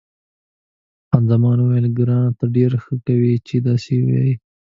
خان زمان وویل، ګرانه ته ډېره ښه کوې چې داسې وایې.